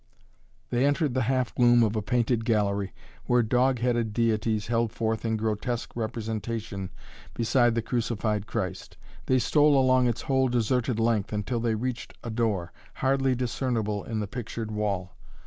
They entered the half gloom of a painted gallery where dog headed deities held forth in grotesque representation beside the crucified Christ. They stole along its whole deserted length until they reached a door, hardly discernible in the pictured wall.